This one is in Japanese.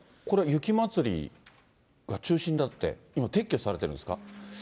これは雪まつりが中止になって、今、撤去されてるんですか。